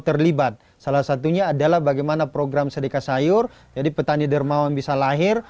terlibat salah satunya adalah bagaimana program sedekah sayur jadi petani dermawan bisa lahir